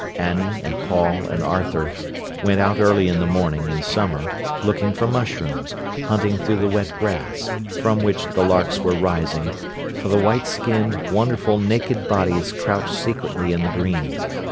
Annie and Paul and Arthur went out early in the morning, in summer, looking for mushrooms, hunting through the wet grass, from which the larks were rising, for the white skinned, wonderful naked bodies crouched secretly in the green.